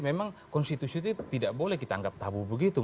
memang konstitusi itu tidak boleh kita anggap tabu begitu